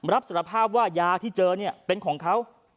รับสารภาพว่ายาที่เจอเนี่ยเป็นของเขา